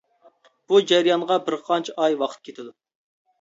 بۇ جەريانغا بىر قانچە ئاي ۋاقىت كېتىدۇ.